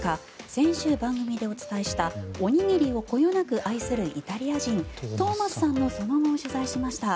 先週、番組でお伝えしたおにぎりをこよなく愛するイタリア人トーマスさんのその後を取材しました。